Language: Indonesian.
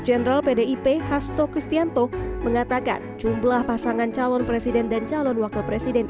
jenderal pdip hasto kristianto mengatakan jumlah pasangan calon presiden dan calon wakil presiden